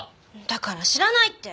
だから知らないって！